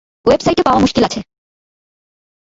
ওয়েবসাইটে পাওয়া মুশকিল আছে।